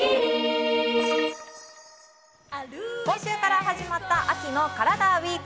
今週から始まった秋のカラダＷＥＥＫ。